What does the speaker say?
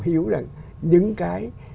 hiểu rằng những cái